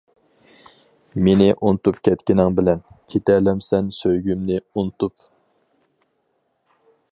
مېنى ئۇنتۇپ كەتكىنىڭ بىلەن، كېتەلەمسەن سۆيگۈمنى ئۇنتۇپ.